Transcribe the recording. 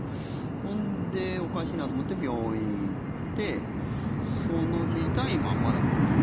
ほんで、おかしいなと思って病院行ってその日、痛いままだったんです。